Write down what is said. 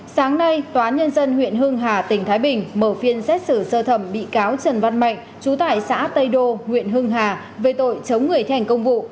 sáng nay tòa nhân dân huyện hưng hà tỉnh thái bình mở phiên xét xử sơ thẩm bị cáo trần văn mạnh chú tải xã tây đô huyện hưng hà về tội chống người thành công vụ